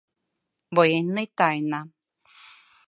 — Военный тайна.